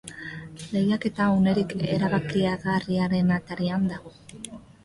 Lehiaketa unerik erabakigarrienaren atarian dago.